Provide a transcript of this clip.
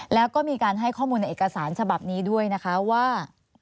แล้วก็มีการให้ข้อมูลในเอกสารฉบับนี้ด้วยนะคะว่า